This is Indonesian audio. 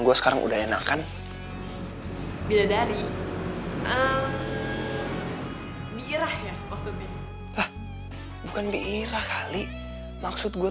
operannya terima dong neng